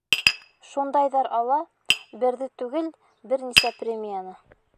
Шундайҙар ала, берҙе түгел, бер нисә премияны.